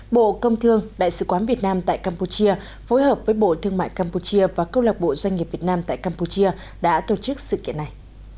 bộ công thương đại sứ quán việt nam tại campuchia phối hợp với bộ thương mại campuchia và câu lạc bộ doanh nghiệp việt nam tại campuchia đã tổ chức sự kiện này